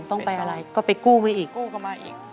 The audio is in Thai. ต้องไปอะไรก็ไปกู้มาอีกกู้กลับมาอีก